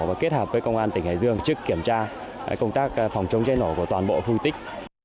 và kết hợp với công an tỉnh hải dương trước kiểm tra công tác phòng chống chế nổ của toàn bộ huy tích